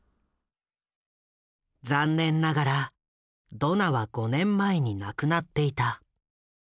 残念ながらドナは５年前に亡くなっていた。